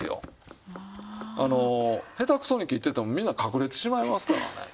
下手くそに切っててもみんな隠れてしまいますからね。